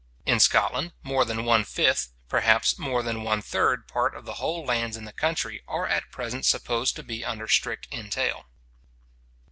In Scotland, more than one fifth, perhaps more than one third part of the whole lands in the country, are at present supposed to be under strict entail.